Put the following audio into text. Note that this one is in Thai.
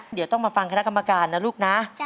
เดี๋ยวต้องมาฟังคณะกรรมการนะลูกนะ